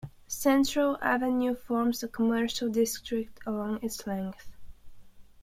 Central Avenue forms a commercial district along its length.